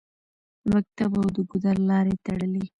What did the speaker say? د مکتب او د ګودر لارې تړلې